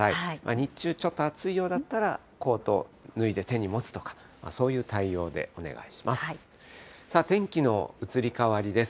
日中、ちょっと暑いようだったら、コートを脱いで手に持つとか、そういう対応でお願いします。